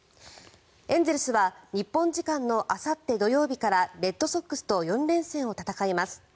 エンゼルスは日本時間のあさって土曜日からレッドソックスと４連戦を戦います。